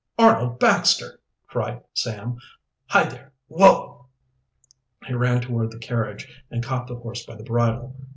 "Arnold Baxter!" cried Sam. "Hi, there, whoa!" He ran toward the carriage and caught the horse by the bridle.